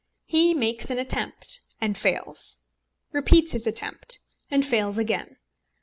He makes an attempt, and fails; repeats his attempt, and fails again!